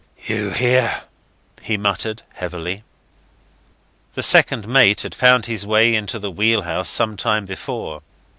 "You here?" he muttered, heavily. The second mate had found his way into the wheelhouse some time before.